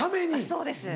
そうです。